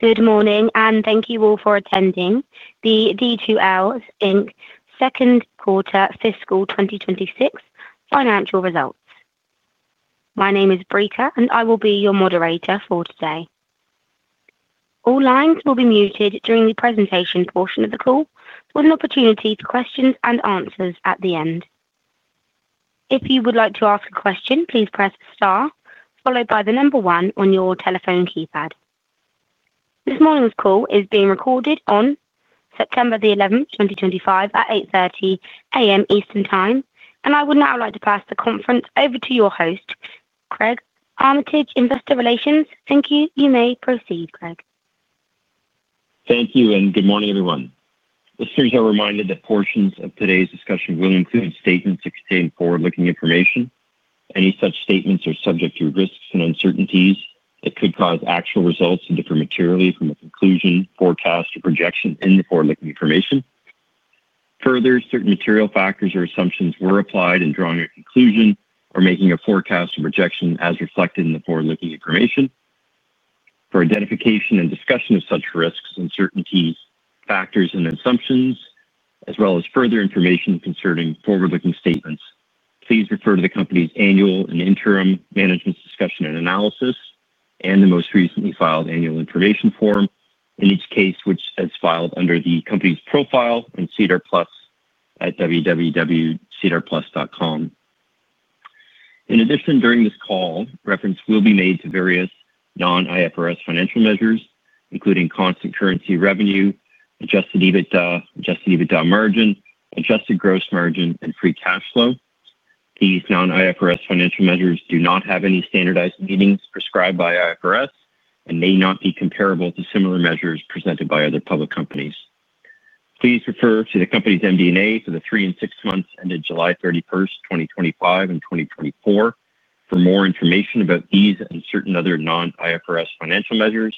Good morning and thank you all for attending the D2L Inc. second quarter fiscal 2026 financial results. My name is Brita and I will be your moderator for today. All lines will be muted during the presentation portion of the call, with an opportunity for questions and answers at the end. If you would like to ask a question, please press star followed by the number one on your telephone keypad. This morning's call is being recorded on September 11, 2025, at 8:30 A.M. Eastern Time, and I would now like to pass the conference over to your host, Craig Armitage, Investor Relations. Thank you. You may proceed, Craig. Thank you and good morning everyone. Listeners are reminded that portions of today's discussion will include statements that contain forward-looking information. Any such statements are subject to risks and uncertainties that could cause actual results to differ materially from a conclusion, forecast, or projection in the forward-looking information. Further, certain material factors or assumptions were applied in drawing a conclusion or making a forecast or projection as reflected in the forward-looking information. For identification and discussion of such risks, uncertainties, factors, and assumptions, as well as further information concerning forward-looking statements, please refer to the company's annual and interim management discussion and analysis and the most recently filed annual information form, in each case which is filed under the company's profile in SEDAR Plus at www.sedarplus.com. In addition, during this call, reference will be made to various non-IFRS financial measures, including constant currency revenue, adjusted EBITDA, adjusted EBITDA margin, adjusted gross margin, and free cash flow. These non-IFRS financial measures do not have any standardized meanings prescribed by IFRS and may not be comparable to similar measures presented by other public companies. Please refer to the company's MD&A for the three and six months ended July 31, 2025 and 2024 for more information about these and certain other non-IFRS financial measures,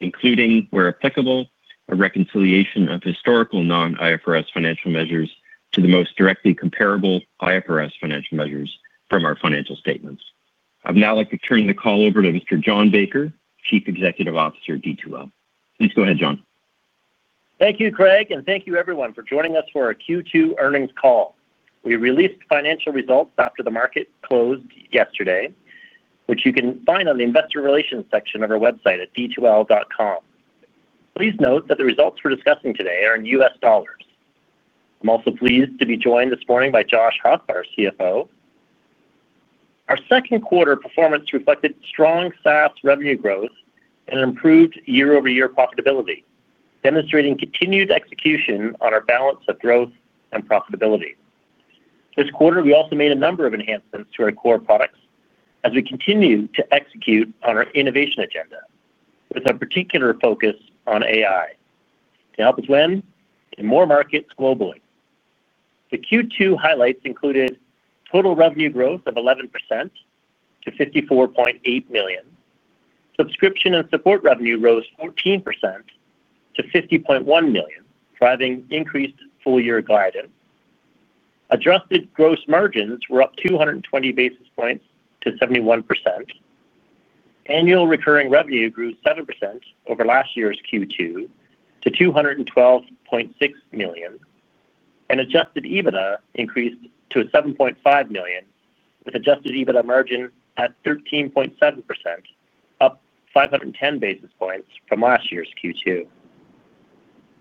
including, where applicable, a reconciliation of historical non-IFRS financial measures to the most directly comparable IFRS financial measures from our financial statements. I'd now like to turn the call over to Mr. John Baker, Chief Executive Officer at D2L Inc. Please go ahead, John. Thank you, Craig, and thank you everyone for joining us for our Q2 earnings call. We released financial results after the market closed yesterday, which you can find on the Investor Relations section of our website at d2l.com. Please note that the results we're discussing today are in U.S. dollars. I'm also pleased to be joined this morning by Josh Huff, our CFO. Our second quarter performance reflected strong SaaS revenue growth and an improved year-over-year profitability, demonstrating continued execution on our balance of growth and profitability. This quarter, we also made a number of enhancements to our core products as we continue to execute on our innovation agenda, with a particular focus on AI to help us win in more markets globally. The Q2 highlights included total revenue growth of 11% to $54.8 million. Subscription and support revenue rose 14% to $50.1 million, driving increased full-year guidance. Adjusted gross margins were up 220 basis points to 71%. Annual recurring revenue grew 7% over last year's Q2 to $212.6 million, and adjusted EBITDA increased to $7.5 million, with adjusted EBITDA margin at 13.7%, up 510 basis points from last year's Q2.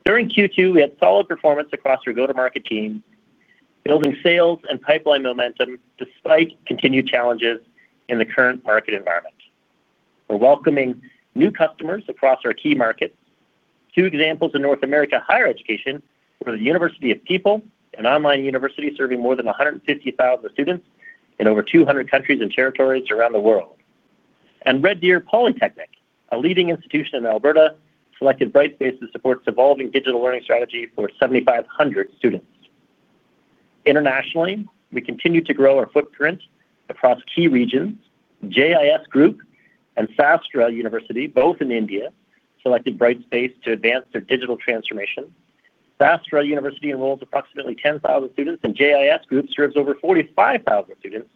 During Q2, we had solid performance across our go-to-market team, building sales and pipeline momentum despite continued challenges in the current market environment. We're welcoming new customers across our key markets. Two examples in North America: Higher Education, where the University of the People, an online university serving more than 150,000 students in over 200 countries and territories around the world, and Red Deer Polytechnic, a leading institution in Alberta, selected Brightspace to support its evolving digital learning strategy for 7,500 students. Internationally, we continue to grow our footprint across key regions. JIS Group and Sastra University, both in India, selected Brightspace to advance their digital transformation. Sastra University enrolls approximately 10,000 students, and JIS Group serves over 45,000 students,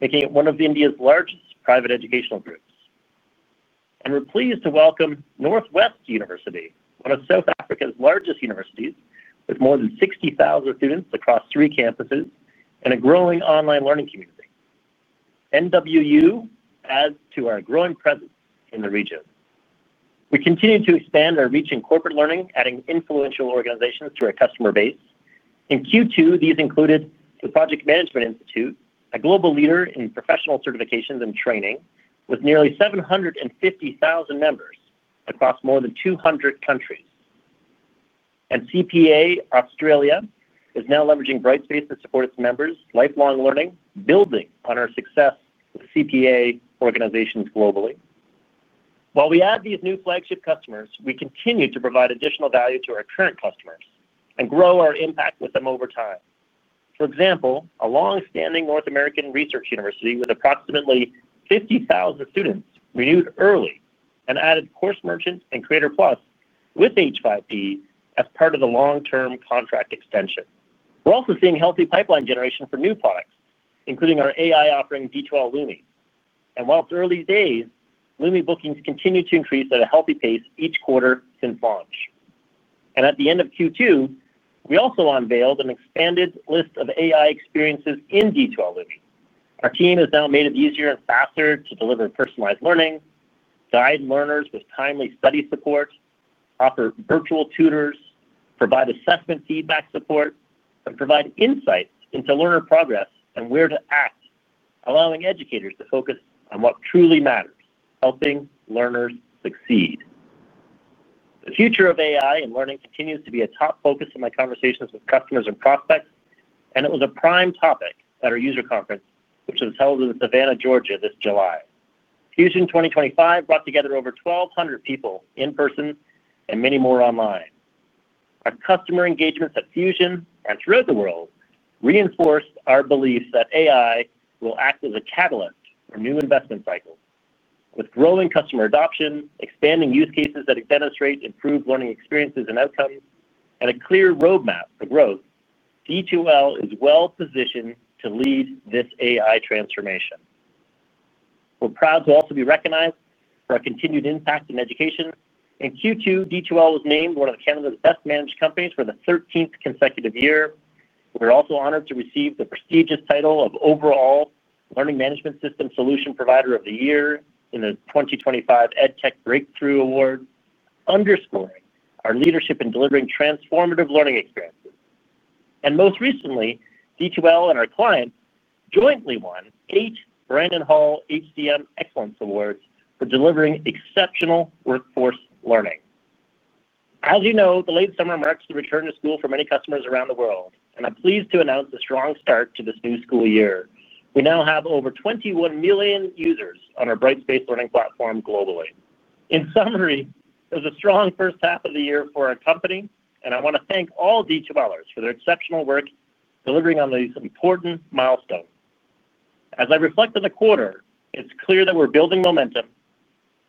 making it one of India's largest private educational groups. We're pleased to welcome Northwest University, one of South Africa's largest universities, with more than 60,000 students across three campuses and a growing online learning community. NWU adds to our growing presence in the region. We continue to expand our reach in corporate learning, adding influential organizations to our customer base. In Q2, these included the Project Management Institute, a global leader in professional certifications and training, with nearly 750,000 members across more than 200 countries. CPA Australia is now leveraging Brightspace to support its members' lifelong learning, building on our success with CPA organizations globally. While we add these new flagship customers, we continue to provide additional value to our current customers and grow our impact with them over time. For example, a longstanding North American research university with approximately 50,000 students renewed early and added Course Merchant and Creator Plus with H5P as part of the long-term contract extension. We're also seeing healthy pipeline generation for new products, including our AI offering D2L Lumi. While it's early days, Lumi bookings continue to increase at a healthy pace each quarter since launch. At the end of Q2, we also unveiled an expanded list of AI experiences in D2L Lumi. Our team has now made it easier and faster to deliver personalized learning, guide learners with timely study support, offer virtual tutors, provide assessment feedback support, and provide insights into learner progress and where to act, allowing educators to focus on what truly matters: helping learners succeed. The future of AI and learning continues to be a top focus in my conversations with customers and prospects, and it was a prime topic at our user conference, which was held in Savannah, Georgia, this July. Fusion 2025 brought together over 1,200 people in person and many more online. Our customer engagements at Fusion and throughout the world reinforced our beliefs that AI will act as a catalyst for new investment cycles. With growing customer adoption, expanding use cases that demonstrate improved learning experiences and outcomes, and a clear roadmap for growth, D2L is well positioned to lead this AI transformation. We're proud to also be recognized for our continued impact in education. In Q2, D2L was named one of Canada's best managed companies for the 13th consecutive year. We're also honored to receive the prestigious title of Overall Learning Management System Solution Provider of the Year in the 2025 EdTech Breakthrough Award, underscoring our leadership in delivering transformative learning experiences. Most recently, D2L and our client jointly won eight Brandon Hall HDM Excellence Awards for delivering exceptional workforce learning. As you know, the late summer marks the return to school for many customers around the world, and I'm pleased to announce a strong start to this new school year. We now have over 21 million users on our Brightspace Learning Platform globally. In summary, it was a strong first half of the year for our company, and I want to thank all D2Lers for their exceptional work delivering on these important milestones. As I reflect on the quarter, it's clear that we're building momentum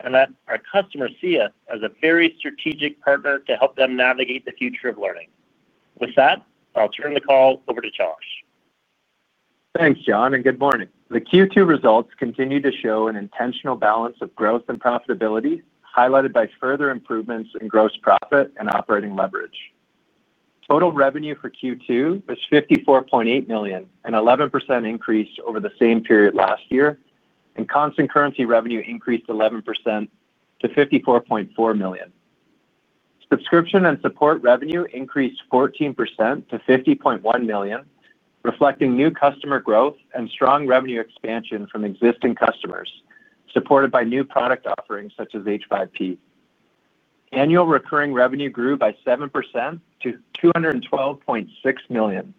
and that our customers see us as a very strategic partner to help them navigate the future of learning. With that, I'll turn the call over to Josh. Thanks, John, and good morning. The Q2 results continue to show an intentional balance of growth and profitability, highlighted by further improvements in gross profit and operating leverage. Total revenue for Q2 was $54.8 million, an 11% increase over the same period last year, and constant currency revenue increased 11% to $54.4 million. Subscription and support revenue increased 14% to $50.1 million, reflecting new customer growth and strong revenue expansion from existing customers, supported by new product offerings such as H5P. Annual recurring revenue grew by 7% to $212.6 million.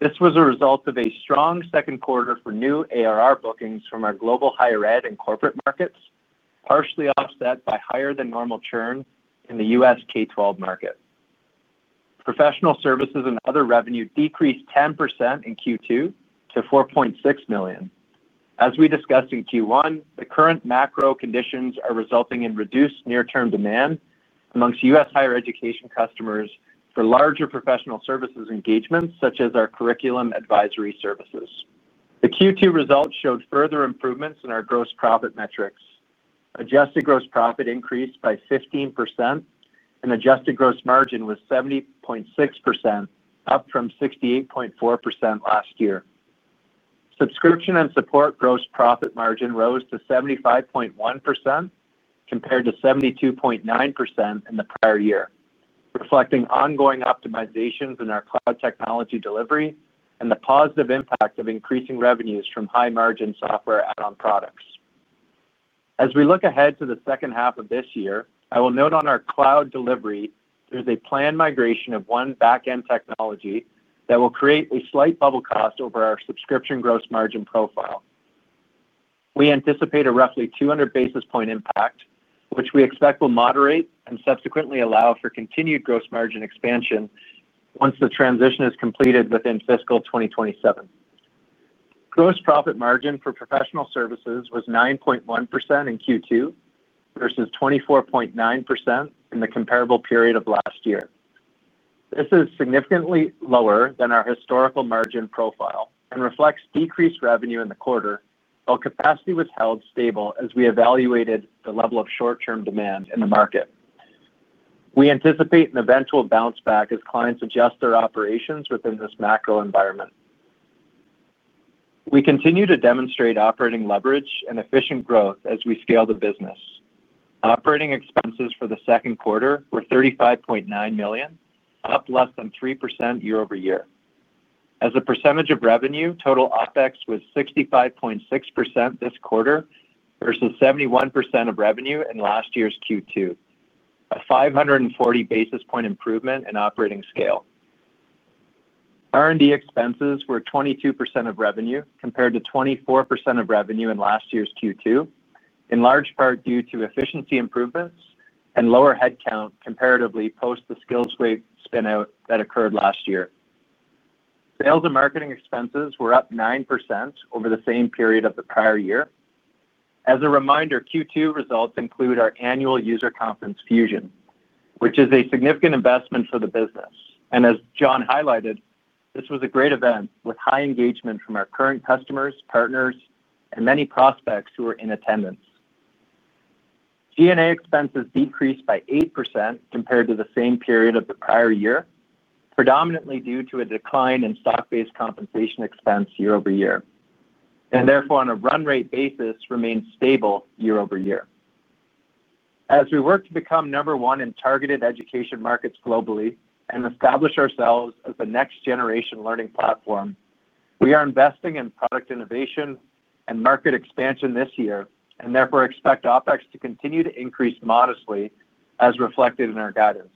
This was a result of a strong second quarter for new ARR bookings from our global higher ed and corporate markets, partially offset by higher than normal churn in the U.S. K-12 market. Professional Services and other revenue decreased 10% in Q2 to $4.6 million. As we discussed in Q1, the current macro conditions are resulting in reduced near-term demand amongst U.S. higher education customers for larger Professional Services engagements, such as our curriculum advisory services. The Q2 results showed further improvements in our gross profit metrics. Adjusted gross profit increased by 15%, and adjusted gross margin was 70.6%, up from 68.4% last year. Subscription and support gross profit margin rose to 75.1% compared to 72.9% in the prior year, reflecting ongoing optimizations in our cloud technology delivery and the positive impact of increasing revenues from high-margin software add-on products. As we look ahead to the second half of this year, I will note on our cloud delivery, there's a planned migration of one backend technology that will create a slight bubble cost over our subscription gross margin profile. We anticipate a roughly 200 basis point impact, which we expect will moderate and subsequently allow for continued gross margin expansion once the transition is completed within fiscal 2027. Gross profit margin for Professional Services was 9.1% in Q2 versus 24.9% in the comparable period of last year. This is significantly lower than our historical margin profile and reflects decreased revenue in the quarter, while capacity was held stable as we evaluated the level of short-term demand in the market. We anticipate an eventual bounce back as clients adjust their operations within this macro environment. We continue to demonstrate operating leverage and efficient growth as we scale the business. Operating expenses for the second quarter were $35.9 million, up less than 3% year over year. As a percentage of revenue, total OpEx was 65.6% this quarter versus 71% of revenue in last year's Q2, a 540 basis point improvement in operating scale. R&D expenses were 22% of revenue compared to 24% of revenue in last year's Q2, in large part due to efficiency improvements and lower headcount comparatively post the SkillsWave spin-out that occurred last year. Sales and marketing expenses were up 9% over the same period of the prior year. As a reminder, Q2 results include our annual user conference Fusion, which is a significant investment for the business. As John highlighted, this was a great event with high engagement from our current customers, partners, and many prospects who were in attendance. G&A expenses decreased by 8% compared to the same period of the prior year, predominantly due to a decline in stock-based compensation expense year over year, and therefore on a run-rate basis remained stable year over year. As we work to become number one in targeted education markets globally and establish ourselves as the next generation learning platform, we are investing in product innovation and market expansion this year and therefore expect OpEx to continue to increase modestly as reflected in our guidance.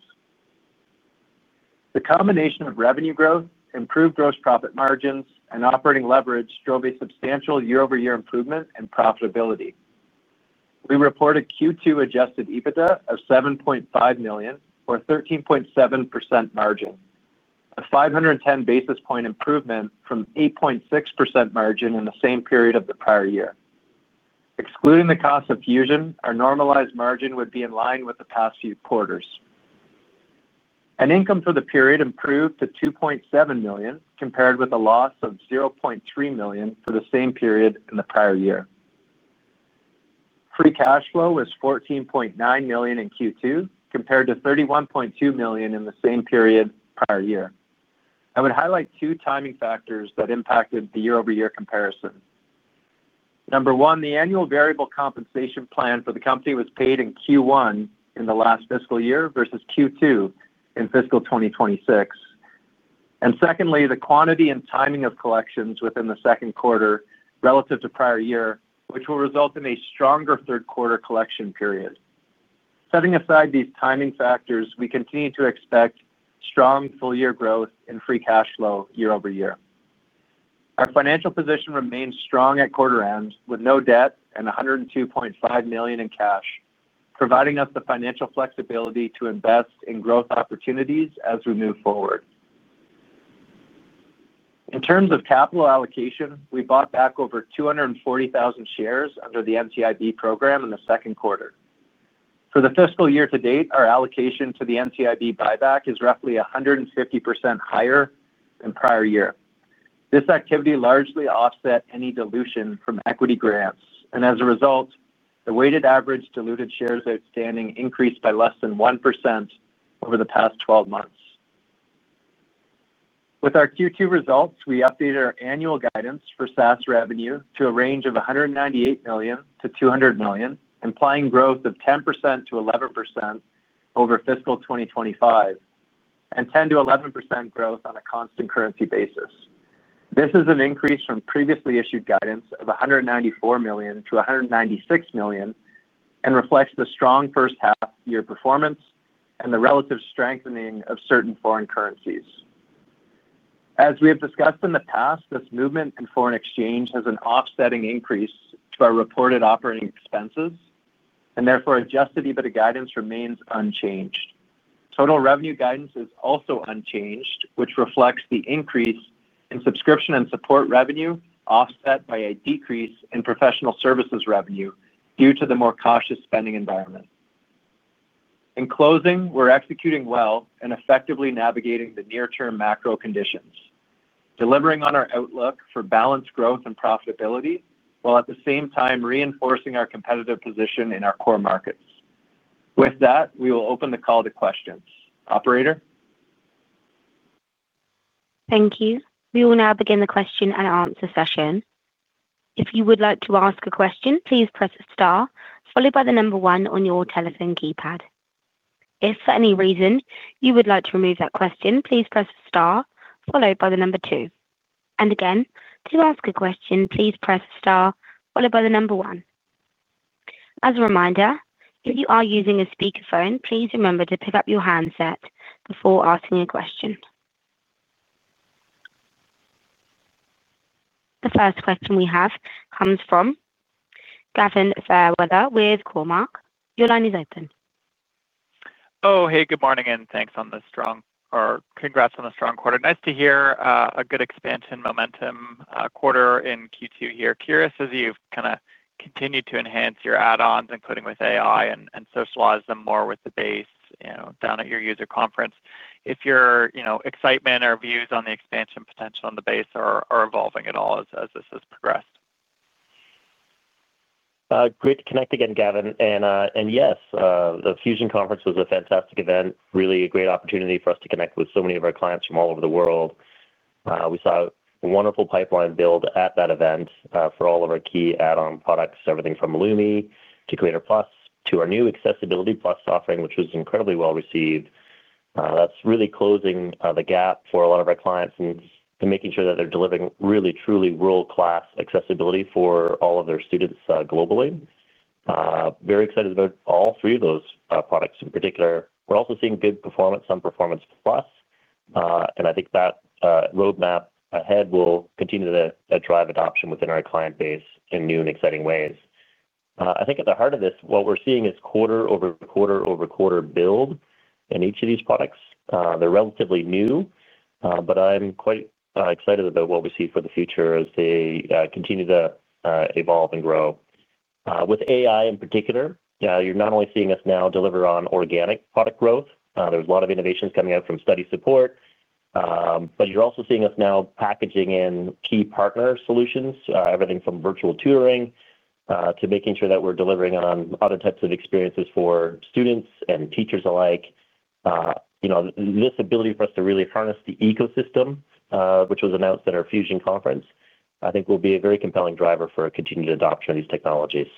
The combination of revenue growth, improved gross profit margins, and operating leverage drove a substantial year-over-year improvement in profitability. We reported Q2 adjusted EBITDA of $7.5 million or 13.7% margin, a 510 basis point improvement from 8.6% margin in the same period of the prior year. Excluding the cost of Fusion, our normalized margin would be in line with the past few quarters. Net income for the period improved to $2.7 million compared with a loss of $0.3 million for the same period in the prior year. Free cash flow was $14.9 million in Q2 compared to $31.2 million in the same period prior year. I would highlight two timing factors that impacted the year-over-year comparison. Number one, the annual variable compensation plan for the company was paid in Q1 in the last fiscal year versus Q2 in fiscal 2026. Secondly, the quantity and timing of collections within the second quarter relative to prior year, which will result in a stronger third quarter collection period. Setting aside these timing factors, we continue to expect strong full-year growth in free cash flow year over year. Our financial position remains strong at quarter end with no debt and $102.5 million in cash, providing us the financial flexibility to invest in growth opportunities as we move forward. In terms of capital allocation, we bought back over 240,000 shares under the NCIB program in the second quarter. For the fiscal year to date, our allocation to the NCIB buyback is roughly 150% higher than prior year. This activity largely offset any dilution from equity grants, and as a result, the weighted average diluted shares outstanding increased by less than 1% over the past 12 months. With our Q2 results, we updated our annual guidance for SaaS revenue to a range of $198 million to $200 million, implying growth of 10% to 11% over fiscal 2025, and 10% to 11% growth on a constant currency basis. This is an increase from previously issued guidance of $194 million to $196 million and reflects the strong first half-year performance and the relative strengthening of certain foreign currencies. As we have discussed in the past, this movement in foreign exchange has an offsetting increase to our reported operating expenses, and therefore adjusted EBITDA guidance remains unchanged. Total revenue guidance is also unchanged, which reflects the increase in subscription and support revenue offset by a decrease in Professional Services revenue due to the more cautious spending environment. In closing, we're executing well and effectively navigating the near-term macro conditions, delivering on our outlook for balanced growth and profitability, while at the same time reinforcing our competitive position in our core markets. With that, we will open the call to questions. Operator? Thank you. We will now begin the question and answer session. If you would like to ask a question, please press star followed by the number one on your telephone keypad. If for any reason you would like to remove that question, please press star followed by the number two. To ask a question, please press star followed by the number one. As a reminder, if you are using a speakerphone, please remember to pick up your handset before asking a question. The first question we have comes from Gavin Fairweather with Cormark. Your line is open. Oh, hey, good morning and congrats on the strong quarter. Nice to hear a good expansion momentum quarter in Q2 here. Curious as you've kind of continued to enhance your add-ons, including with AI and socialize them more with the base, you know, down at your user conference. If your excitement or views on the expansion potential in the base are evolving at all as this has progressed. Great to connect again, Gavin. Yes, the Fusion conference was a fantastic event, really a great opportunity for us to connect with so many of our clients from all over the world. We saw a wonderful pipeline build at that event for all of our key add-on products, everything from D2L Lumi to Creator Plus to our new Accessibility Plus offering, which was incredibly well received. That is really closing the gap for a lot of our clients and making sure that they're delivering really, truly world-class accessibility for all of their students globally. Very excited about all three of those products in particular. We're also seeing big performance on Performance Plus, and I think that roadmap ahead will continue to drive adoption within our client base in new and exciting ways. I think at the heart of this, what we're seeing is quarter over quarter over quarter build in each of these products. They're relatively new, but I'm quite excited about what we see for the future as they continue to evolve and grow. With AI in particular, you're not only seeing us now deliver on organic product growth, there's a lot of innovations coming out from study support, but you're also seeing us now packaging in key partner solutions, everything from virtual tutoring to making sure that we're delivering on other types of experiences for students and teachers alike. This ability for us to really harness the ecosystem, which was announced at our Fusion conference, I think will be a very compelling driver for continued adoption of these technologies.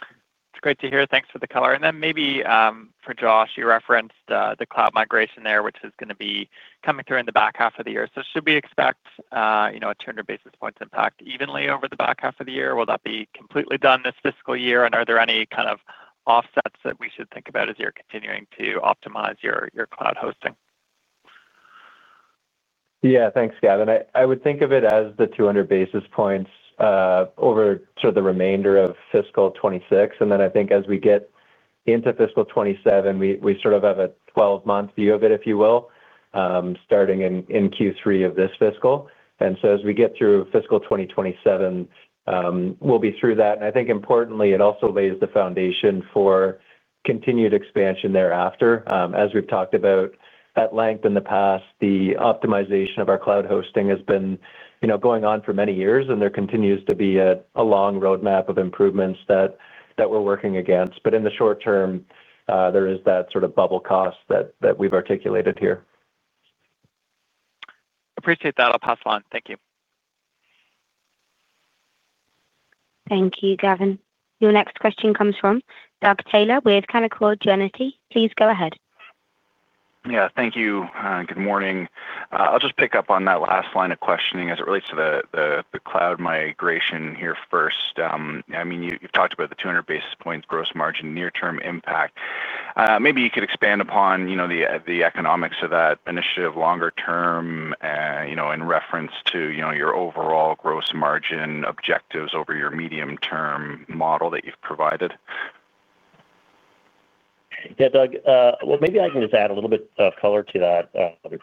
It's great to hear. Thanks for the color. Maybe for Josh, you referenced the cloud migration there, which is going to be coming through in the back half of the year. Should we expect a 200 basis points impact evenly over the back half of the year? Will that be completely done this fiscal year? Are there any kind of offsets that we should think about as you're continuing to optimize your cloud hosting? Yeah, thanks, Gavin. I would think of it as the 200 basis points over sort of the remainder of fiscal 2026. I think as we get into fiscal 2027, we sort of have a 12-month view of it, if you will, starting in Q3 of this fiscal. As we get through fiscal 2027, we'll be through that. I think importantly, it also lays the foundation for continued expansion thereafter. As we've talked about at length in the past, the optimization of our cloud hosting has been going on for many years, and there continues to be a long roadmap of improvements that we're working against. In the short term, there is that sort of bubble cost that we've articulated here. Appreciate that. I'll pass on. Thank you. Thank you, Gavin. Your next question comes from Doug Taylor with Canaccord Genuity. Please go ahead. Thank you. Good morning. I'll just pick up on that last line of questioning as it relates to the cloud migration here first. I mean, you've talked about the 200 basis points gross margin near-term impact. Maybe you could expand upon the economics of that initiative longer term, in reference to your overall gross margin objectives over your medium-term model that you've provided. Yeah, Doug. Maybe I can just add a little bit of color to that.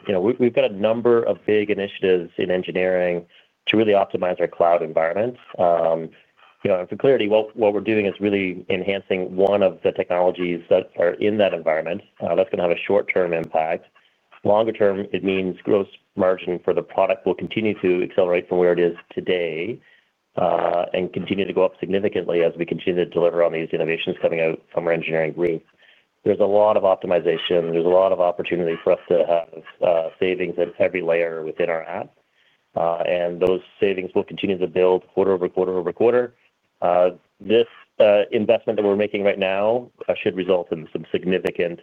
You know, we've got a number of big initiatives in engineering to really optimize our cloud environment. For clarity, what we're doing is really enhancing one of the technologies that are in that environment. That's going to have a short-term impact. Longer term, it means gross margin for the product will continue to accelerate from where it is today and continue to go up significantly as we continue to deliver on these innovations coming out from our engineering group. There's a lot of optimization. There's a lot of opportunity for us to have savings at every layer within our app, and those savings will continue to build quarter over quarter over quarter. This investment that we're making right now should result in some significant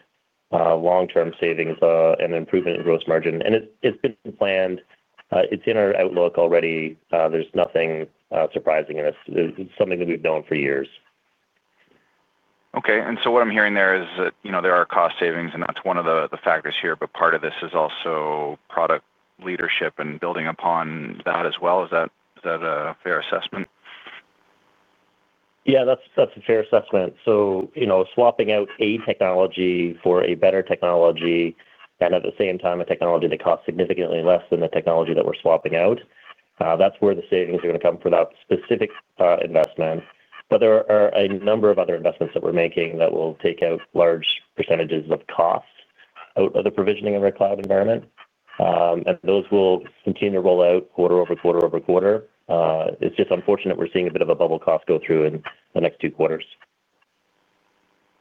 long-term savings and improvement in gross margin. It's been planned. It's in our outlook already. There's nothing surprising in it. It's something that we've known for years. Okay. What I'm hearing there is that, you know, there are cost savings, and that's one of the factors here, but part of this is also product leadership and building upon that as well. Is that a fair assessment? Yeah, that's a fair assessment. You know, swapping out a technology for a better technology and at the same time a technology that costs significantly less than the technology that we're swapping out, that's where the savings are going to come for that specific investment. There are a number of other investments that we're making that will take out large percentages of costs out of the provisioning of our cloud environment. Those will continue to roll out quarter over quarter over quarter. It's just unfortunate we're seeing a bit of a bubble cost go through in the next two quarters.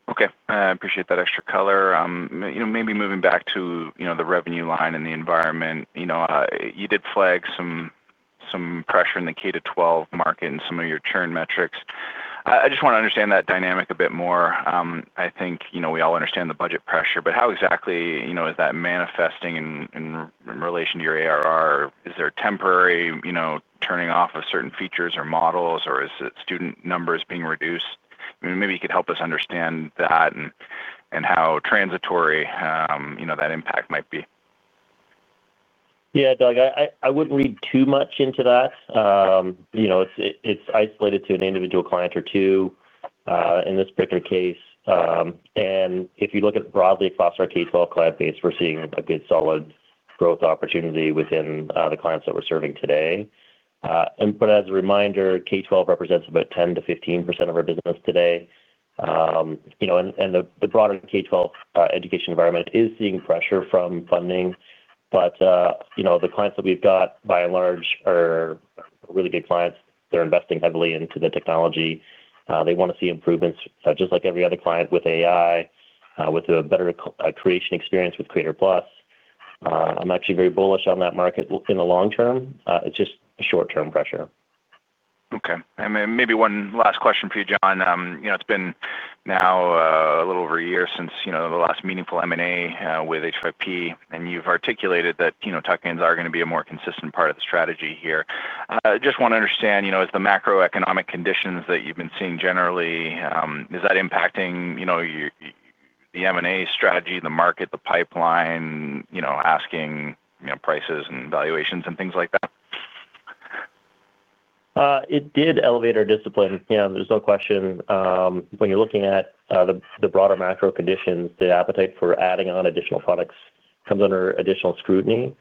Okay. I appreciate that extra color. Maybe moving back to the revenue line and the environment, you did flag some pressure in the K-12 market and some of your churn metrics. I just want to understand that dynamic a bit more. I think we all understand the budget pressure, but how exactly is that manifesting in relation to your ARR? Is there temporary turning off of certain features or models, or is it student numbers being reduced? Maybe you could help us understand that and how transitory that impact might be. Yeah, Doug, I wouldn't read too much into that. It's isolated to an individual client or two in this particular case. If you look broadly across our K-12 client base, we're seeing a good solid growth opportunity within the clients that we're serving today. As a reminder, K-12 represents about 10% to 15% of our business today. The broader K-12 education environment is seeing pressure from funding. The clients that we've got, by and large, are really big clients. They're investing heavily into the technology. They want to see improvements, just like every other client with AI, with a better creation experience with Creator Plus. I'm actually very bullish on that market in the long term. It's just short-term pressure. Okay. Maybe one last question for you, John. It's been now a little over a year since the last meaningful M&A with H5P, and you've articulated that tech hands are going to be a more consistent part of the strategy here. I just want to understand, as the macroeconomic conditions that you've been seeing generally, is that impacting the M&A strategy, the market, the pipeline, asking prices and valuations and things like that? It did elevate our discipline. You know, there's no question. When you're looking at the broader macro conditions, the appetite for adding on additional products comes under additional scrutiny.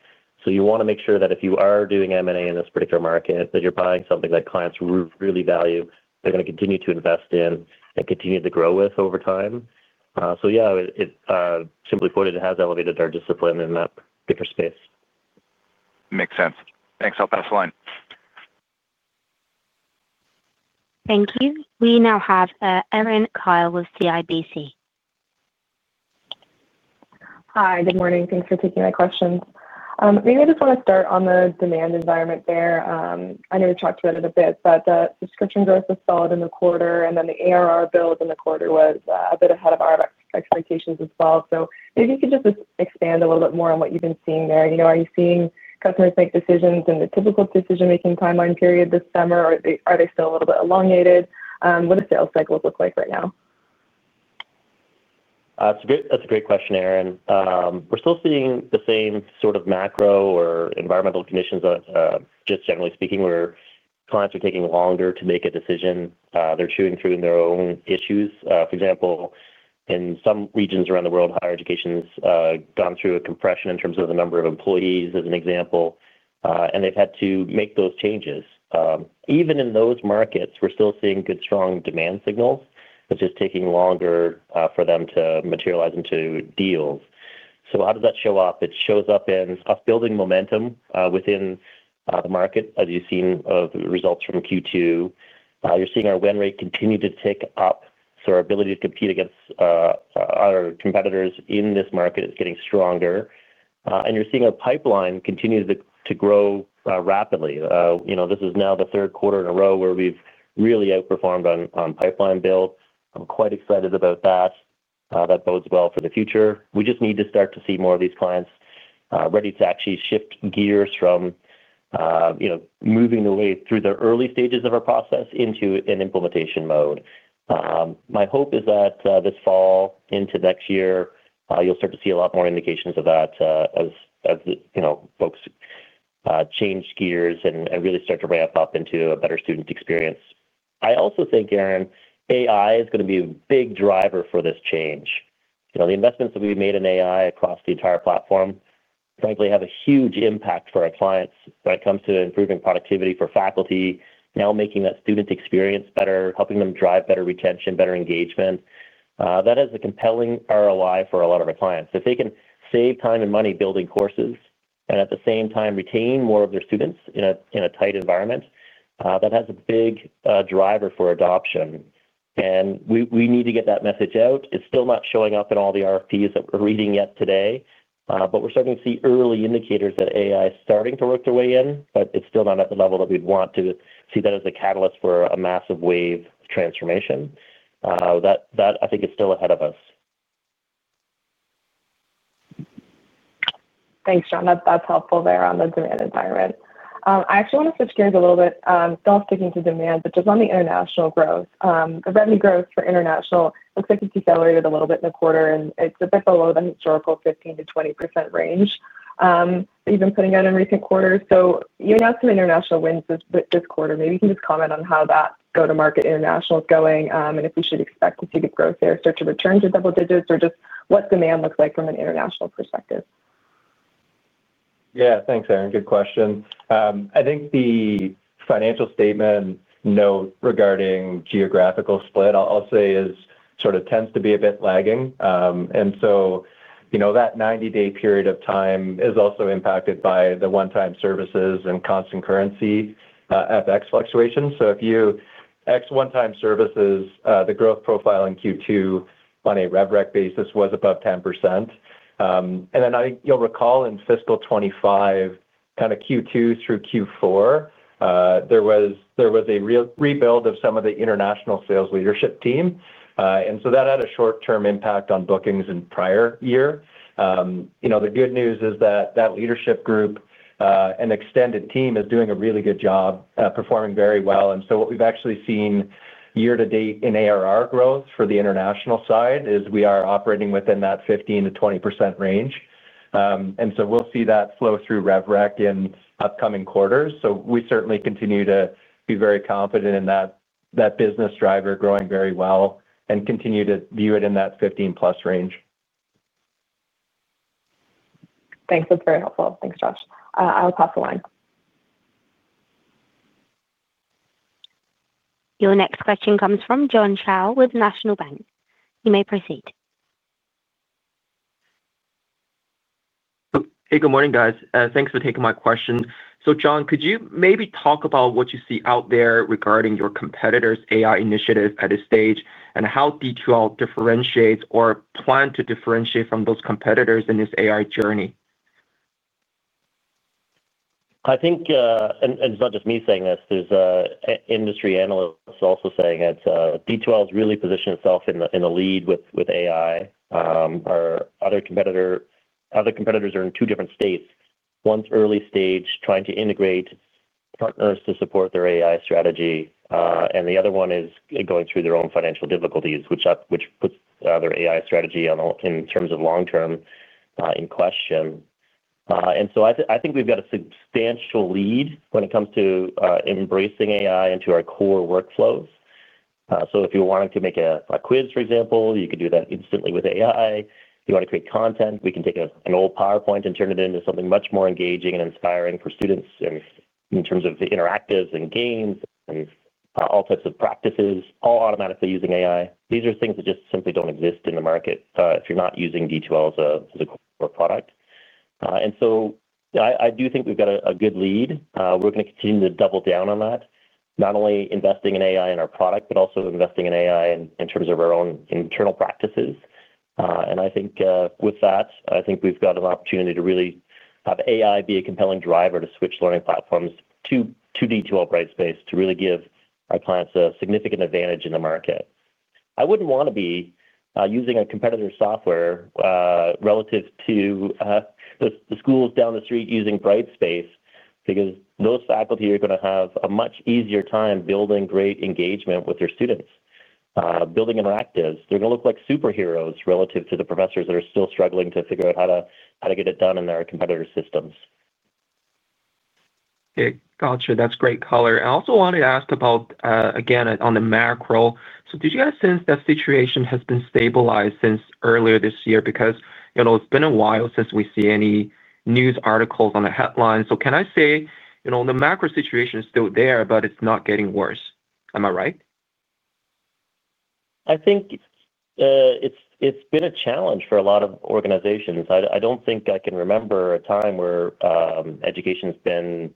You want to make sure that if you are doing M&A in this particular market, that you're buying something that clients really value, they're going to continue to invest in and continue to grow with over time. It simply put, it has elevated our discipline in that particular space. Makes sense. Thanks. I'll pass the line. Thank you. We now have Erin Kyle with CIBC. Hi. Good morning. Thanks for taking that question. Maybe I just want to start on the demand environment there. I know we've talked about it a bit, but the subscription growth was solid in the quarter, and the ARR build in the quarter was a bit ahead of our expectations as well. Maybe you could just expand a little bit more on what you've been seeing there. You know, are you seeing customers make decisions in the typical decision-making timeline period this summer, or are they still a little bit elongated? What do sales cycles look like right now? That's a great question, Erin. We're still seeing the same sort of macro or environmental conditions, just generally speaking, where clients are taking longer to make a decision. They're chewing through their own issues. For example, in some regions around the world, higher education has gone through a compression in terms of the number of employees, as an example, and they've had to make those changes. Even in those markets, we're still seeing good, strong demand signals. It's just taking longer for them to materialize into deals. That shows up in us building momentum within the market, as you've seen from results from Q2. You're seeing our win rate continue to tick up, so our ability to compete against our competitors in this market is getting stronger. You're seeing our pipeline continue to grow rapidly. This is now the third quarter in a row where we've really outperformed on pipeline build. I'm quite excited about that. That bodes well for the future. We just need to start to see more of these clients ready to actually shift gears from moving away through the early stages of our process into an implementation mode. My hope is that this fall into next year, you'll start to see a lot more indications of that as folks change gears and really start to ramp up into a better student experience. I also think, Erin, AI is going to be a big driver for this change. The investments that we've made in AI across the entire platform, frankly, have a huge impact for our clients when it comes to improving productivity for faculty, now making that student experience better, helping them drive better retention, better engagement. That is a compelling ROI for a lot of our clients. If they can save time and money building courses and at the same time retain more of their students in a tight environment, that has a big driver for adoption. We need to get that message out. It's still not showing up in all the RFPs that we're reading yet today, but we're starting to see early indicators that AI is starting to work their way in, but it's still not at the level that we'd want to see that as a catalyst for a massive wave of transformation. That, I think, is still ahead of us. Thanks, John. That's helpful there on the demand environment. I actually want to switch gears a little bit, still sticking to demand, but just on the international growth. The revenue growth for international looks like it's accelerated a little bit in the quarter, and it's a bit below the historical 15% to 20% range, even putting out in recent quarters. You announced some international wins this quarter. Maybe you can just comment on how that go-to-market international is going and if we should expect to see the growth there start to return to double digits or just what demand looks like from an international perspective. Yeah, thanks, Erin. Good question. I think the financial statement note regarding geographical split, I'll say, tends to be a bit lagging. That 90-day period of time is also impacted by the one-time services and constant currency FX fluctuations. If you exclude one-time services, the growth profile in Q2 on a RevRec basis was above 10%. I think you'll recall in fiscal 2025, kind of Q2 through Q4, there was a rebuild of some of the international sales leadership team. That had a short-term impact on bookings in the prior year. The good news is that leadership group and extended team is doing a really good job performing very well. What we've actually seen year to date in ARR growth for the international side is we are operating within that 15% to 20% range. We'll see that flow through RevRec in upcoming quarters. We certainly continue to be very confident in that business driver growing very well and continue to view it in that 15% plus range. Thanks. That's very helpful. Thanks, Josh. I'll pass the line. Your next question comes from John Chow with National Bank. You may proceed. Hey, good morning, guys. Thanks for taking my question. John, could you maybe talk about what you see out there regarding your competitors' AI initiative at this stage and how D2L differentiates or plans to differentiate from those competitors in this AI journey? I think, and it's not just me saying this, there's industry analysts also saying it. D2L has really positioned itself in the lead with AI. Other competitors are in two different states. One's early stage, trying to integrate partners to support their AI strategy, and the other one is going through their own financial difficulties, which puts their AI strategy in terms of long-term in question. I think we've got a substantial lead when it comes to embracing AI into our core workflows. If you're wanting to make a quiz, for example, you could do that instantly with AI. If you want to create content, we can take an old PowerPoint and turn it into something much more engaging and inspiring for students in terms of interactives and games and all types of practices, all automatically using AI. These are things that just simply don't exist in the market if you're not using D2L as a core product. I do think we've got a good lead. We're going to continue to double down on that, not only investing in AI in our product, but also investing in AI in terms of our own internal practices. I think with that, we've got an opportunity to really have AI be a compelling driver to switch learning platforms to D2L Brightspace to really give our clients a significant advantage in the market. I wouldn't want to be using a competitor's software relative to the schools down the street using Brightspace because those faculty are going to have a much easier time building great engagement with their students. Building interactives, they're going to look like superheroes relative to the professors that are still struggling to figure out how to get it done in their competitor's systems. Gotcha. That's great color. I also wanted to ask about, again, on the macro. Did you get a sense that the situation has been stabilized since earlier this year? You know, it's been a while since we see any news articles on the headlines. Can I say the macro situation is still there, but it's not getting worse? Am I right? I think it's been a challenge for a lot of organizations. I don't think I can remember a time where education has been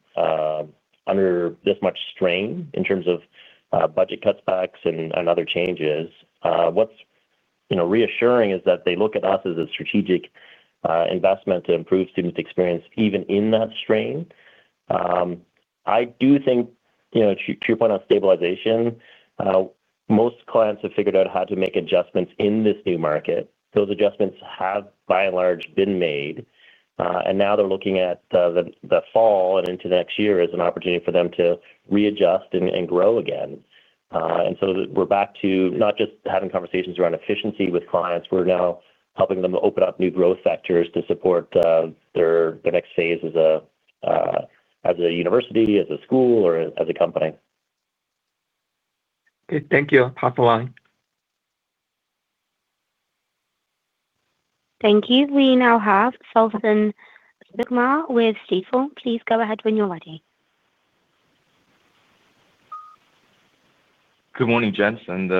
under this much strain in terms of budget cutbacks and other changes. What's reassuring is that they look at us as a strategic investment to improve students' experience even in that strain. I do think, to your point on stabilization, most clients have figured out how to make adjustments in this new market. Those adjustments have, by and large, been made. Now they're looking at the fall and into next year as an opportunity for them to readjust and grow again. We're back to not just having conversations around efficiency with clients, we're now helping them open up new growth sectors to support their next phase as a university, as a school, or as a company. Okay, thank you. I'll pass the line. Thank you. We now have Sullivan Sigma with Stifel. Please go ahead when you're ready. Good morning, Jens, and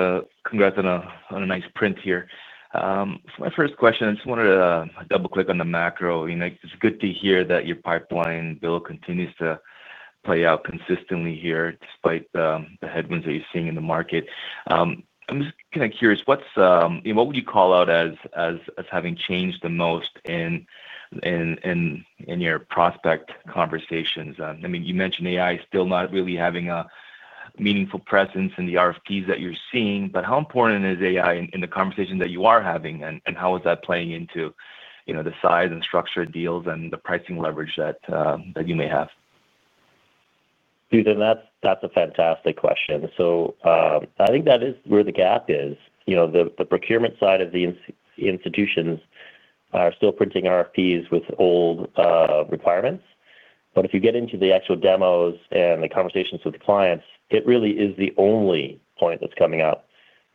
congrats on a nice print here. For my first question, I just wanted to double-click on the macro. It's good to hear that your pipeline bill continues to play out consistently here despite the headwinds that you're seeing in the market. I'm just kind of curious, what would you call out as having changed the most in your prospect conversations? I mean, you mentioned AI is still not really having a meaningful presence in the RFPs that you're seeing, but how important is AI in the conversation that you are having and how is that playing into the size and structure of deals and the pricing leverage that you may have? That's a fantastic question. I think that is where the gap is. The procurement side of the institutions are still printing RFPs with old requirements. If you get into the actual demos and the conversations with clients, it really is the only point that's coming up.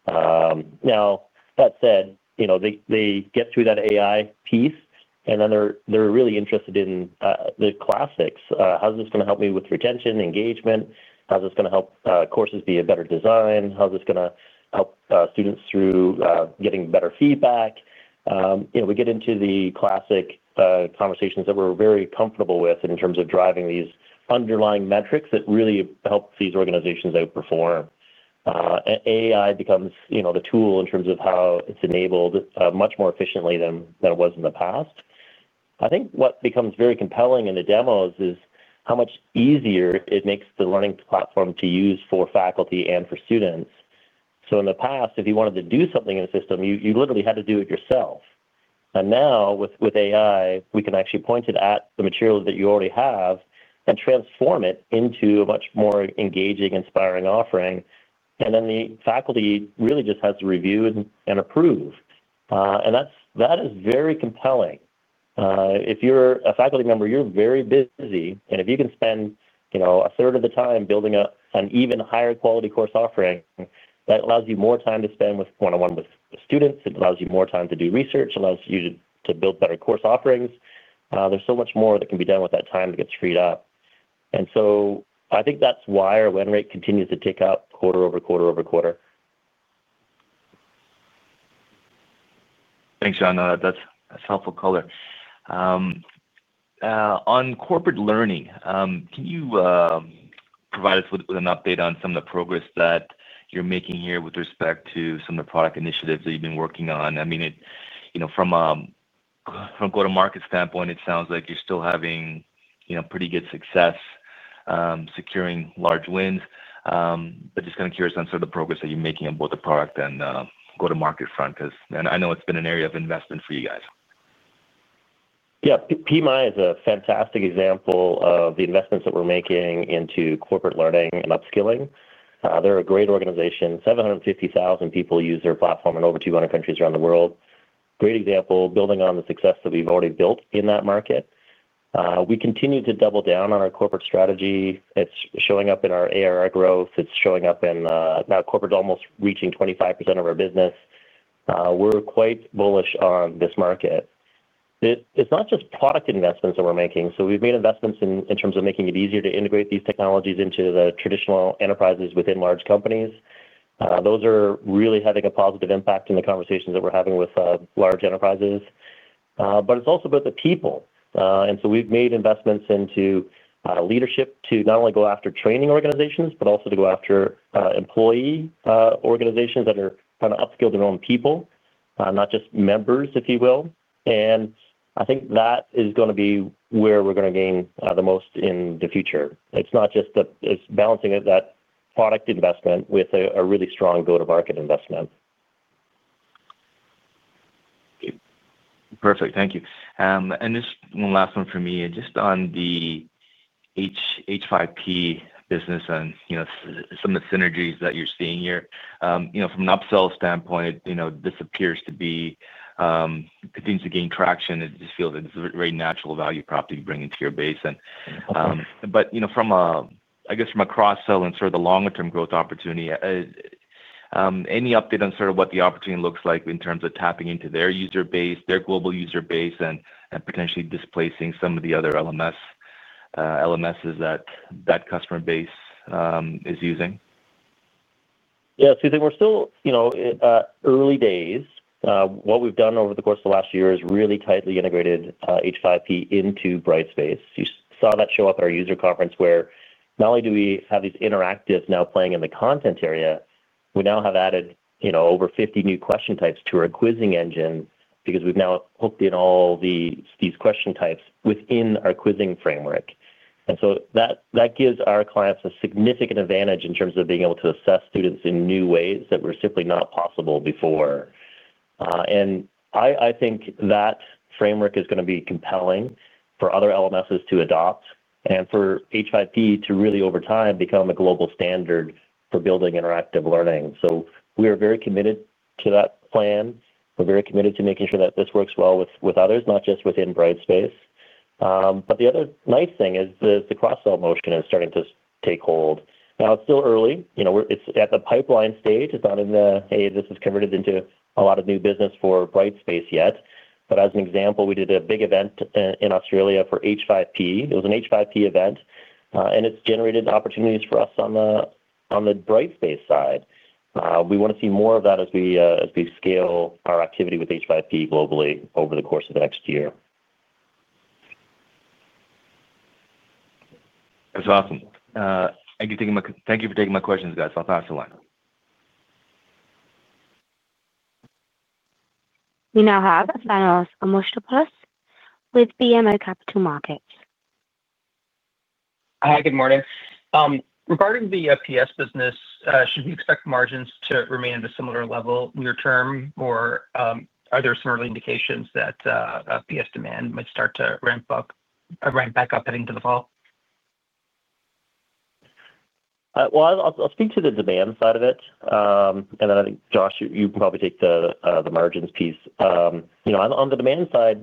That said, they get through that AI piece and then they're really interested in the classics. How's this going to help me with retention and engagement? How's this going to help courses be a better design? How's this going to help students through getting better feedback? We get into the classic conversations that we're very comfortable with in terms of driving these underlying metrics that really help these organizations outperform. AI becomes the tool in terms of how it's enabled much more efficiently than it was in the past. I think what becomes very compelling in the demos is how much easier it makes the learning platform to use for faculty and for students. In the past, if you wanted to do something in a system, you literally had to do it yourself. Now with AI, we can actually point it at the materials that you already have and transform it into a much more engaging, inspiring offering. The faculty really just has to review and approve, and that is very compelling. If you're a faculty member, you're very busy. If you can spend a third of the time building up an even higher quality course offering, that allows you more time to spend one-on-one with students. It allows you more time to do research. It allows you to build better course offerings. There's so much more that can be done with that time that gets freed up. I think that's why our win rate continues to tick up quarter over quarter over quarter. Thanks, John. That's a helpful color. On corporate learning, can you provide us with an update on some of the progress that you're making here with respect to some of the product initiatives that you've been working on? From a go-to-market standpoint, it sounds like you're still having pretty good success securing large wins. I'm just kind of curious on some of the progress that you're making on both the product and go-to-market front, because I know it's been an area of investment for you guys. Project Management Institute is a fantastic example of the investments that we're making into corporate learning and upskilling. They're a great organization. 750,000 people use their platform in over 200 countries around the world. Great example building on the success that we've already built in that market. We continue to double down on our corporate strategy. It's showing up in our ARR growth. It's showing up in now corporate's almost reaching 25% of our business. We're quite bullish on this market. It's not just product investments that we're making. We've made investments in terms of making it easier to integrate these technologies into the traditional enterprises within large companies. Those are really having a positive impact in the conversations that we're having with large enterprises. It's also about the people. We've made investments into leadership to not only go after training organizations, but also to go after employee organizations that are kind of upskilling their own people, not just members, if you will. I think that is going to be where we're going to gain the most in the future. It's not just that, it's balancing that product investment with a really strong go-to-market investment. Perfect. Thank you. Just one last one for me, just on the H5P business and some of the synergies that you're seeing here. You know, from an upsell standpoint, this appears to be continuing to gain traction. It just feels like it's a very natural value prop that you bring into your basin. From a cross-sell and sort of the longer-term growth opportunity, any update on what the opportunity looks like in terms of tapping into their user base, their global user base, and potentially displacing some of the other LMSs that that customer base is using? Yeah, I think we're still, you know, early days. What we've done over the course of the last year is really tightly integrated H5P into Brightspace. You saw that show up at our user conference where not only do we have these interactives now playing in the content area, we now have added, you know, over 50 new question types to our quizzing engine because we've now hooked in all these question types within our quizzing framework. That gives our clients a significant advantage in terms of being able to assess students in new ways that were simply not possible before. I think that framework is going to be compelling for other LMSs to adopt and for H5P to really, over time, become a global standard for building interactive learning. We are very committed to that plan. We're very committed to making sure that this works well with others, not just within Brightspace. The other nice thing is the cross-sell motion is starting to take hold. Now, it's still early. You know, it's at the pipeline stage. It's not in the, hey, this has converted into a lot of new business for Brightspace yet. As an example, we did a big event in Australia for H5P. It was an H5P event, and it's generated opportunities for us on the Brightspace side. We want to see more of that as we scale our activity with H5P globally over the course of the next year. That's awesome. Thank you for taking my questions, guys. I'll pass the line. We now have Lionel Okomoto with BMO Capital Markets. Hi, good morning. Regarding the Professional Services business, should we expect margins to remain at a similar level near-term, or are there some early indications that Professional Services demand might start to ramp back up heading to the fall? I'll speak to the demand side of it, and then I think, Josh, you can probably take the margins piece. On the demand side,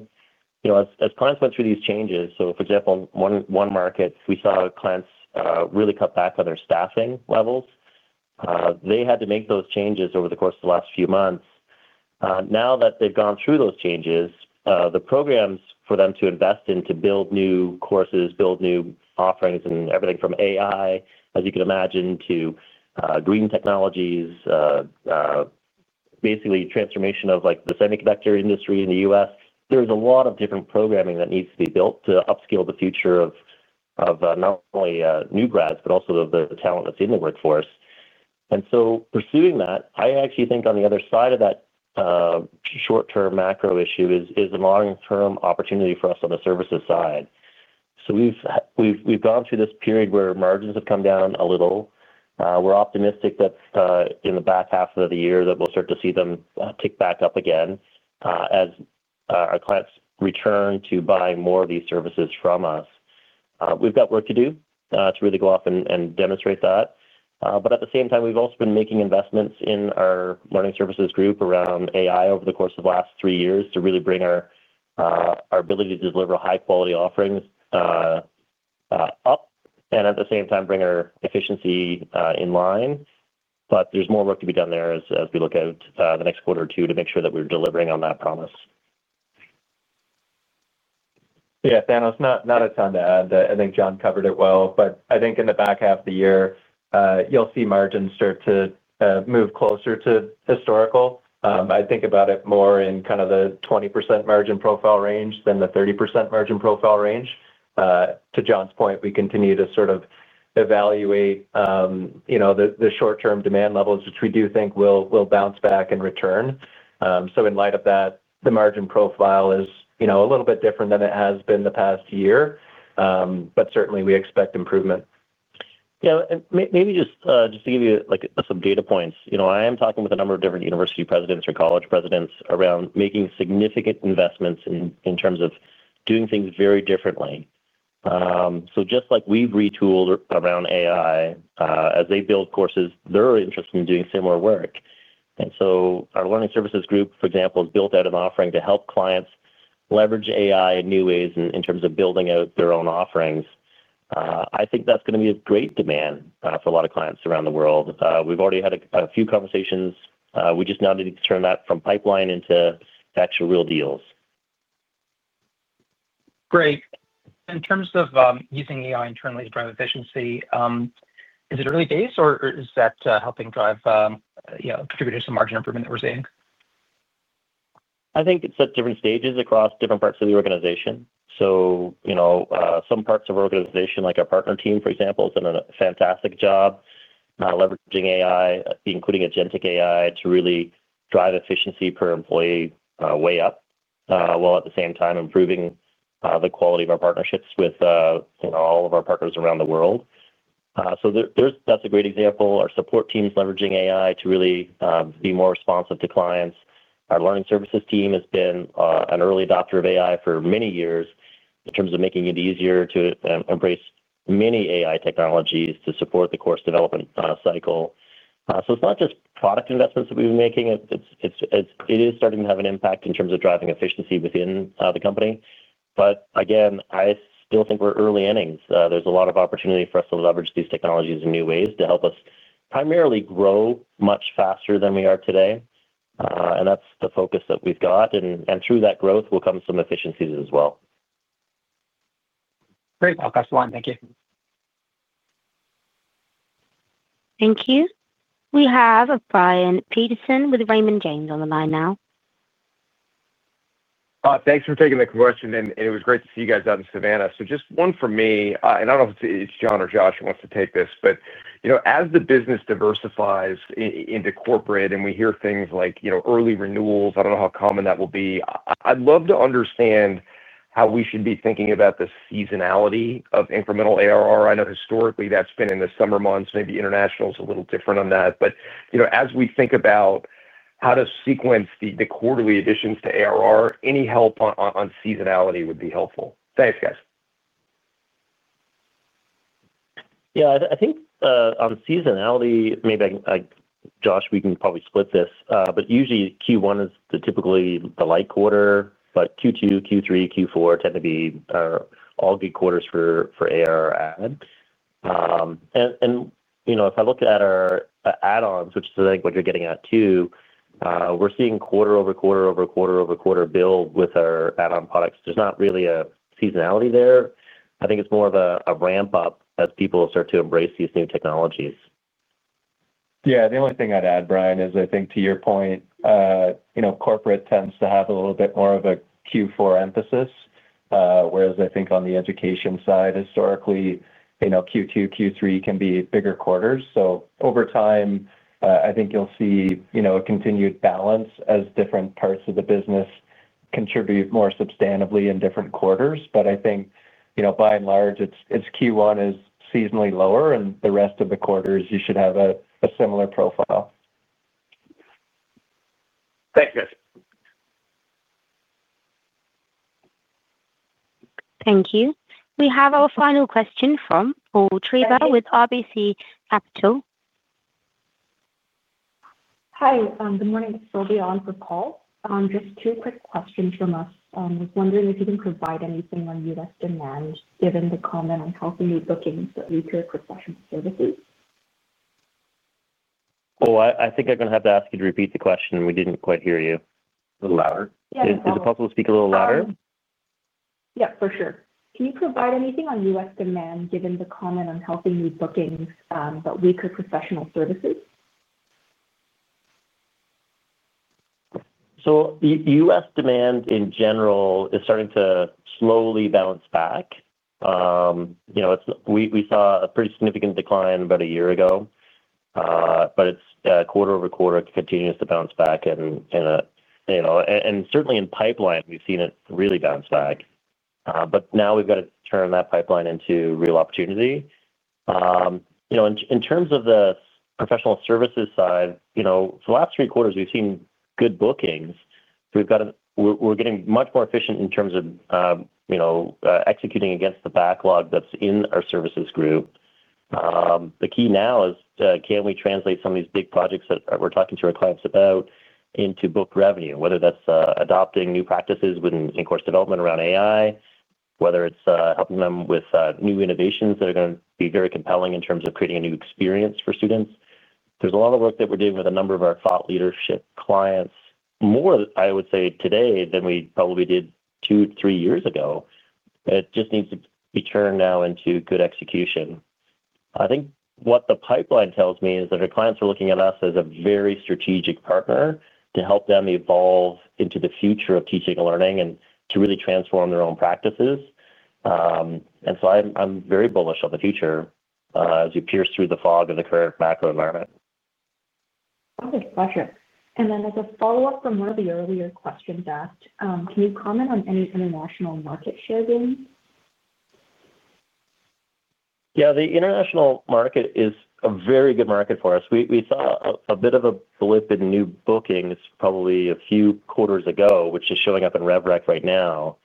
as clients went through these changes, for example, in one market, we saw clients really cut back on their staffing levels. They had to make those changes over the course of the last few months. Now that they've gone through those changes, the programs for them to invest in to build new courses, build new offerings, and everything from AI, as you can imagine, to green technologies, basically transformation of the semiconductor industry in the U.S. There's a lot of different programming that needs to be built to upskill the future of not only new grads, but also the talent that's in the workforce. Pursuing that, I actually think on the other side of that short-term macro issue is the long-term opportunity for us on the services side. We've gone through this period where margins have come down a little. We're optimistic that in the back half of the year we'll start to see them tick back up again as our clients return to buy more of these services from us. We've got work to do to really go off and demonstrate that. At the same time, we've also been making investments in our learning services group around AI over the course of the last three years to really bring our ability to deliver high-quality offerings up and at the same time bring our efficiency in line. There's more work to be done there as we look at the next quarter or two to make sure that we're delivering on that promise. Yeah, Daniel, it's not a ton to add. I think John covered it well. I think in the back half of the year, you'll see margins start to move closer to historical. I think about it more in kind of the 20% margin profile range than the 30% margin profile range. To John's point, we continue to sort of evaluate the short-term demand levels, which we do think will bounce back and return. In light of that, the margin profile is a little bit different than it has been the past year, but certainly we expect improvement. Yeah, and maybe just to give you some data points, I am talking with a number of different university presidents or college presidents around making significant investments in terms of doing things very differently. Just like we've retooled around AI, as they build courses, they're interested in doing similar work. Our learning services group, for example, has built out an offering to help clients leverage AI in new ways in terms of building out their own offerings. I think that's going to be a great demand for a lot of clients around the world. We've already had a few conversations. We just now need to turn that from pipeline into actual real deals. Great. In terms of using AI internally to bring efficiency, is it early days, or is that helping drive contributors to margin improvement that we're seeing? I think it's at different stages across different parts of the organization. Some parts of our organization, like our partner team, for example, have done a fantastic job leveraging AI, including Agentic AI, to really drive efficiency per employee way up while at the same time improving the quality of our partnerships with all of our partners around the world. That's a great example. Our support team is leveraging AI to really be more responsive to clients. Our learning services team has been an early adopter of AI for many years in terms of making it easier to embrace many AI technologies to support the course development cycle. It's not just product investments that we've been making. It is starting to have an impact in terms of driving efficiency within the company. I still think we're early innings. There's a lot of opportunity for us to leverage these technologies in new ways to help us primarily grow much faster than we are today. That's the focus that we've got. Through that growth will come some efficiencies as well. Great. I'll pass the line. Thank you. Thank you. We have Brian Peterson with Raymond James on the line now. Thanks for taking the question, and it was great to see you guys out in Savannah. Just one for me, and I don't know if it's John or Josh who wants to take this, but as the business diversifies into corporate and we hear things like early renewals, I don't know how common that will be. I'd love to understand how we should be thinking about the seasonality of incremental ARR. I know historically that's been in the summer months. Maybe international is a little different on that. As we think about how to sequence the quarterly additions to ARR, any help on seasonality would be helpful. Thanks, guys. I think on seasonality, maybe I can, Josh, we can probably split this, but usually Q1 is typically the light quarter. Q2, Q3, Q4 tend to be all good quarters for ARR ads. If I look at our add-ons, which is I think what you're getting at too, we're seeing quarter over quarter over quarter over quarter build with our add-on products. There's not really a seasonality there. I think it's more of a ramp-up as people start to embrace these new technologies. Yeah, the only thing I'd add, Brian, is I think to your point, you know, corporate tends to have a little bit more of a Q4 emphasis, whereas I think on the education side, historically, you know, Q2, Q3 can be bigger quarters. Over time, I think you'll see, you know, a continued balance as different parts of the business contribute more substantively in different quarters. I think, you know, by and large, Q1 is seasonally lower and the rest of the quarters you should have a similar profile. Thanks, guys. Thank you. We have our final question from Paul Treba with RBC Capital. Hi, good morning. Sylvia on for Paul. Just two quick questions from us. I was wondering if you can provide anything on U.S. demand given the comment on how can we look into a quick Professional Services. Oh, I think I'm going to have to ask you to repeat the question. We didn't quite hear you. A little louder. Yeah, sure. Is it possible to speak a little louder? Yeah, for sure. Can you provide anything on U.S. demand given the comment on helping new bookings but we could professional services? U.S. demand in general is starting to slowly bounce back. We saw a pretty significant decline about a year ago, but quarter over quarter it continues to bounce back. Certainly in pipeline, we've seen it really bounce back. Now we've got to turn that pipeline into real opportunity. In terms of the Professional Services side, for the last three quarters, we've seen good bookings. We're getting much more efficient in terms of executing against the backlog that's in our services group. The key now is, can we translate some of these big projects that we're talking to our clients about into booked revenue, whether that's adopting new practices in course development around AI, or helping them with new innovations that are going to be very compelling in terms of creating a new experience for students. There's a lot of work that we're doing with a number of our thought leadership clients, more I would say today than we probably did two to three years ago. It just needs to be turned now into good execution. I think what the pipeline tells me is that our clients are looking at us as a very strategic partner to help them evolve into the future of teaching and learning and to really transform their own practices. I'm very bullish on the future as we pierce through the fog of the current macro environment. Okay, gotcha. As a follow-up from one of the earlier questions asked, can you comment on any international market share gain? Yeah, the international market is a very good market for us. We saw a bit of a blip in new bookings probably a few quarters ago, which is showing up in RevRec right now.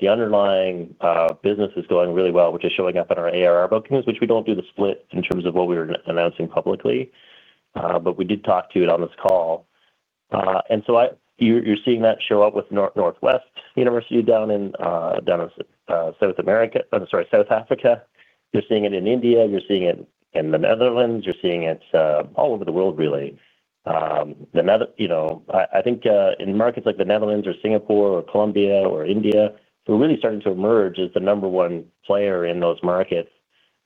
The underlying business is going really well, which is showing up in our ARR bookings, which we don't do the split in terms of what we were announcing publicly. We did talk to it on this call. You're seeing that show up with Northwest University down in South Africa. You're seeing it in India. You're seeing it in the Netherlands. You're seeing it all over the world, really. I think in markets like the Netherlands or Singapore or Colombia or India, we're really starting to emerge as the number one player in those markets.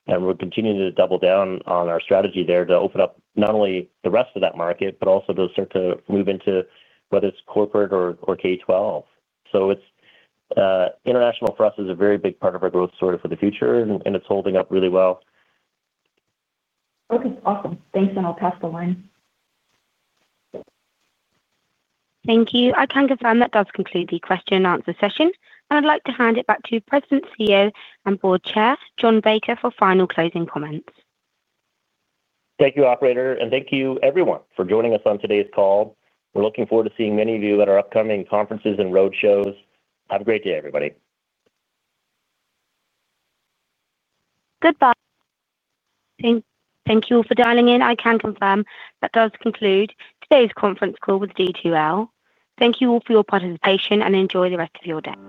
We're continuing to double down on our strategy there to open up not only the rest of that market, but also to start to move into whether it's corporate or K-12. International for us is a very big part of our growth story for the future, and it's holding up really well. Okay, awesome. Thanks, I'll pass the line. Thank you. I can confirm that does conclude the question and answer session. I'd like to hand it back to President, CEO, and Board Chair John Baker for final closing comments. Thank you, Operator, and thank you everyone for joining us on today's call. We're looking forward to seeing many of you at our upcoming conferences and road shows. Have a great day, everybody. Goodbye. Thank you all for dialing in. I can confirm that does conclude today's conference call with D2L Inc. Thank you all for your participation and enjoy the rest of your day.